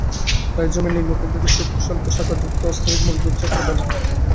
রাইজোমের নিম্নতল থেকে সূক্ষ্ম স্বল্প শাখাযুক্ত অস্থানিক মূল গুচ্ছাকারে বের হয়।